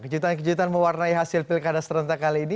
kejutan kejutan mewarnai hasil pilkada serentakali ini